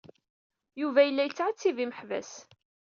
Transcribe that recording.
Yuba yella yettɛettib imeḥbas.